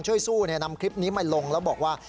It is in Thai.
สู้นำคลิปนี้มาลงแล้วบอกว่า